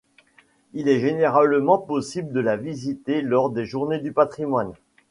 Il est généralement possible de la visiter lors des Journées du patrimoine.